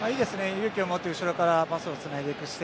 勇気をもって後ろからパスをつないでいく姿勢